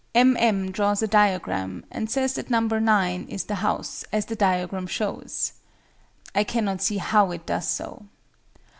M. M. draws a diagram, and says that No. 9 is the house, "as the diagram shows." I cannot see how it does so.